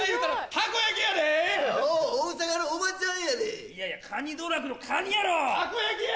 たこ焼きや！